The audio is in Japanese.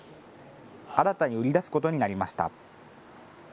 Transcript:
新たに売り出すことになりました。